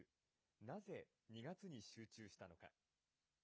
なぜ、２月に集中したのか。